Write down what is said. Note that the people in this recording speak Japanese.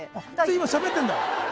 今、しゃべってんだ。